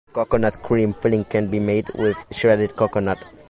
A coconut cream filling can be made with shredded coconut.